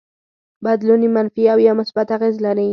بدلون يې منفي او يا مثبت اغېز لري.